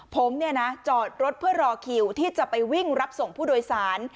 ผมจอดรถเพื่อรอคิวที่จะไปวิ่งรับส่งผู้โดยสาร